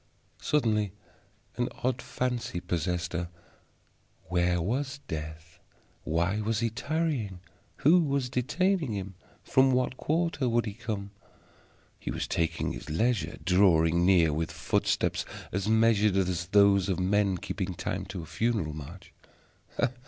Suddenly an odd fancy possessed her. Where was Death? Why was he tarrying? Who was detaining him? From what quarter would he come? He was taking his leisure, drawing near with footsteps as measured as those of men keeping time to a funeral march.